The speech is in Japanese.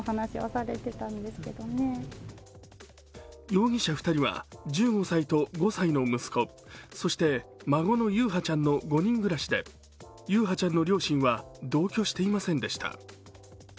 容疑者２人は１５歳と５歳の息子、そして、孫の優陽ちゃんの５人暮らしで優陽ちゃんの両親は同居していませんでした。